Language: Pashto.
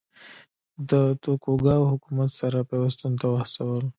د توکوګاوا حکومت سره پیوستون ته وهڅول.